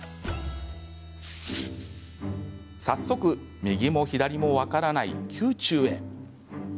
早速、右も左も分からない宮中へ。